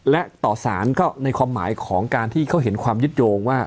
และต่อสารก็ในความหมายของการที่เขาเห็นความยึดโยงว่า